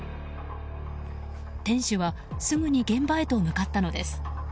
店主は、すぐに現場へと向かったのです。